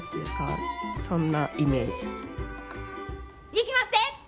いきまっせ！